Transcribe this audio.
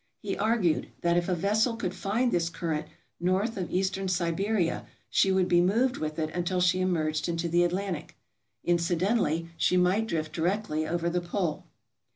He argued that if a vessel could find this current north of eastern Siberia, she would be moved with it until she emerged into the Atlantic. Incidentally she might drift directly over the pole.